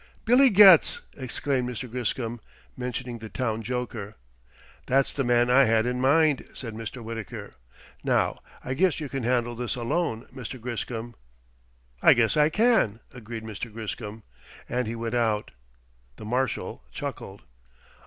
"Billy Getz!" exclaimed Mr. Griscom, mentioning the town joker. "That's the man I had in mind," said Mr. Wittaker. "Now, I guess you can handle this alone, Mr. Griscom." "I guess I can," agreed Mr. Griscom. And he went out. The Marshal chuckled.